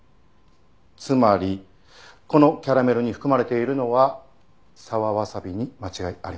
つまりこのキャラメルに含まれているのは沢わさびに間違いありません。